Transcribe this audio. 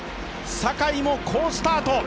坂井も好スタート！